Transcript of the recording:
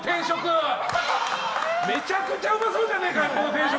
めちゃくちゃうまそうじゃねえかこの定食！